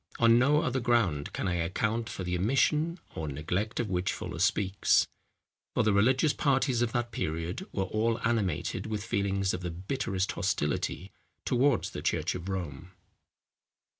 On no other ground can I account for the omission or neglect of which Fuller speaks; for the religious parties of that period, were all animated with feelings of the bitterest hostility towards the church of Rome.